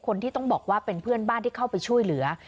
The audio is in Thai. คนที่ต้องบอกว่าเป็นเพื่อนบ้านที่เข้าไปช่วยเหลือ